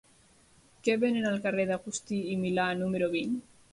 Què venen al carrer d'Agustí i Milà número vint?